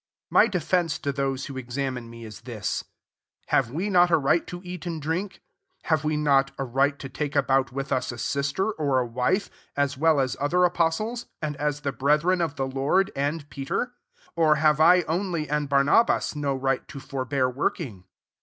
3 My defence to thoi who examine me, is this: > Have we not a right to eat a* to drink ? 5 have we not angl to take about with U9 a sisM or a wife,* as well as oth« apostles, and a« the brethren o the Lord, and Peter ?t ^® have I only, and Barnabas, w right to forbear working?